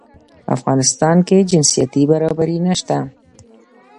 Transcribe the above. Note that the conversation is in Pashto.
په افغانستان کې جنسيتي برابري نشته